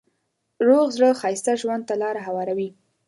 روغ زړه ښایسته ژوند ته لاره هواروي.